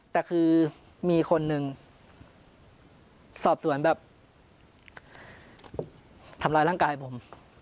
แต่คือมีคนหนึ่งสอบสวนแบบทำร้ายร่างกายผม